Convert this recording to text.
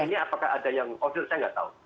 tapi ini apakah ada yang kondisi saya tidak tahu